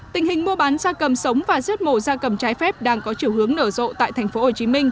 tình hình mua bán gia cầm sống và giết mổ da cầm trái phép đang có chiều hướng nở rộ tại tp hcm